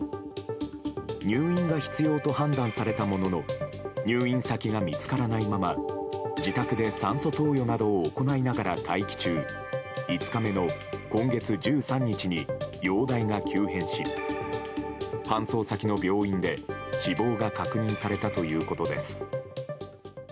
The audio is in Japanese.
入院が必要と判断されたものの入院先が見つからないまま自宅で酸素投与などを行いながら待機中５日目の今月１３日に容体が急変し搬送先の病院で死亡が確認されたということです。